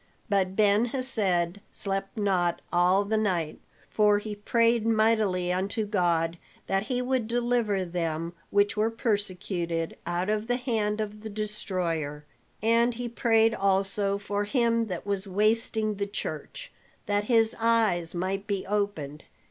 But Ben Hesed slept not all the night, for he prayed mightily unto God that he would deliver them which were persecuted out of the hand of the destroyer; and he prayed also for him that was wasting the church, that his eyes might be opened.